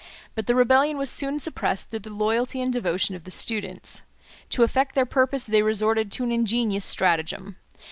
But the rebellion was soon suppressed through the loyalty and devotion of the students. To effect their purpose they resorted to an ingenious stratagem.